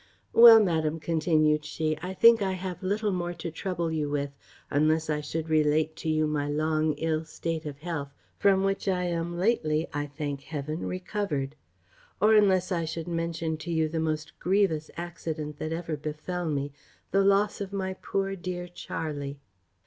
"Well, madam," continued she, "I think I have little more to trouble you with; unless I should relate to you my long ill state of health, from which I am lately, I thank Heaven, recovered; or unless I should mention to you the most grievous accident that ever befel me, the loss of my poor dear Charley."